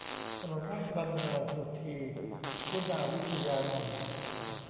ถนนราชดำเนิน สุธี คุณาวิชยานนท์